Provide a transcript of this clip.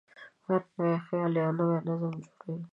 هر نوی خیال یو نوی نظم جوړوي.